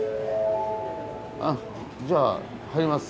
じゃあ入ります。